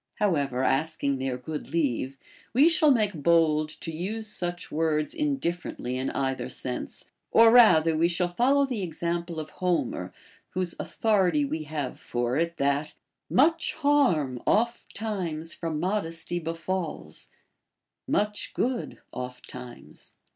How ever, asking their good leave, we shall make bold to use such words indifferently in either sense ; or rather we shall follow the example of Homer, whose authority we have for it, that Much harm oft times from modesty befalls, Much good oft times.